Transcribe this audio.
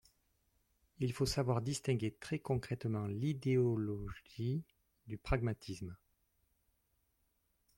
Il faut savoir distinguer très concrètement l’idéologie du pragmatisme.